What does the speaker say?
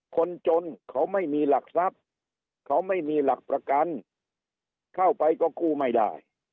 คนจนเขาไม่มีหลักทรัพย์เขาไม่มีหลักประกันเข้าไปก็กู้ไม่ได้